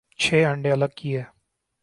چھ انڈے الگ کئے ۔